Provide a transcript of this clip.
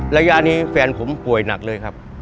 ระยะนี้แฟนผมป่วยหนักเลยครับ